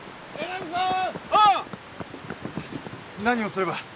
何をすれば？